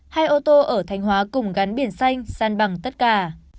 hai ô tô ở thanh hóa cùng gắn biển xanh san bằng tất cả